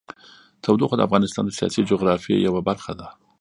تودوخه د افغانستان د سیاسي جغرافیه یوه برخه ده.